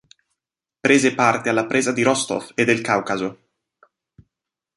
Prese parte alla presa di Rostov e del Caucaso.